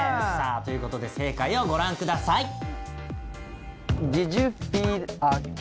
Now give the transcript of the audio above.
さあということで正解をご覧ください。